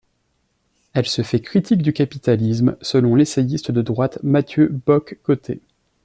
Elle se fait critique du capitalisme, selon l'essayiste de droite Mathieu Bock-Côté.